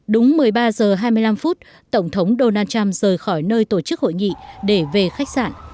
đúng một mươi ba h hai mươi năm phút tổng thống donald trump rời khỏi nơi tổ chức hội nghị để về khách sạn